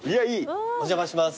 お邪魔します。